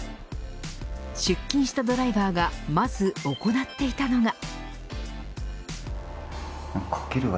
出勤したドライバーがまず行っていたのが。